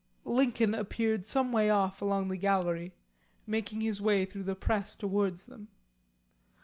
Lincoln appeared some way off along the gallery, making his way through the press towards them.